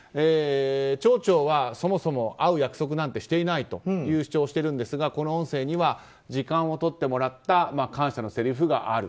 町長はそもそも会う約束なんてしていないという主張をしているんですがこの音声には時間をとってもらった感謝のせりふがある。